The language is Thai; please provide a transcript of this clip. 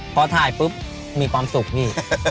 พอถ่ายปุ๊บมีความสุขนี่